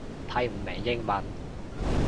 睇唔明英文